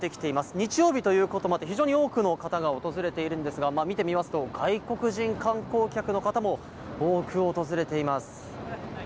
日曜日ということもあって非常に多くの方が訪れているんですが、見てみますと、外国人観光客の方も多く訪れています。